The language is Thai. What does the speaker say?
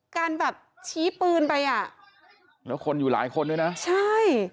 การแบบชี้ปืนไปอ่ะแล้วคนอยู่หลายคนด้วยนะใช่